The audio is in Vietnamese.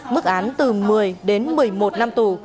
mức án từ một mươi đến một mươi một năm tù